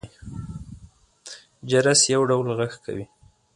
جرس يو ډول غږ کوي.